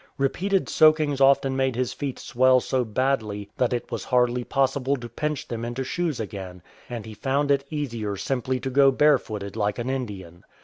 Repeated soakings often made his feet swell so badly that it was hardly pos sible to pinch them into shoes again, and he found it 232 SWAMPS AND FOREST BRIDGES easier simply to go barefooted like an Indian.